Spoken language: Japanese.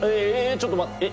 ちょっと待ってえ？